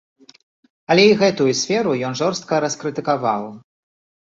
Але і гэтую сферу ён жорстка раскрытыкаваў.